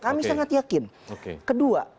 kami sangat yakin kedua